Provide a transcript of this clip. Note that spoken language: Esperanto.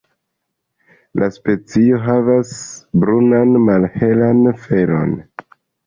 La specio havas brunan malhelan felon.